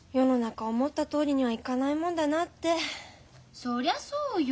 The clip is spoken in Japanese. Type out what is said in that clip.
そりゃそうよ。